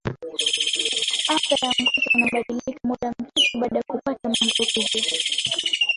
afya ya ngozi inabadilika muda mchache baada ya kupata maambukizi